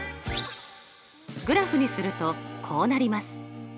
グラフにするとこうなります。